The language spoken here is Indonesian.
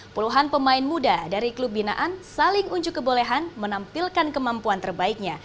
puluhan pemain muda dari klub binaan saling unjuk kebolehan menampilkan kemampuan terbaiknya